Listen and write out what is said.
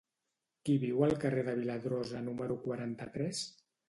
Qui viu al carrer de Viladrosa número quaranta-tres?